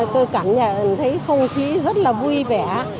tôi cảm nhận thấy không khí rất là vui vẻ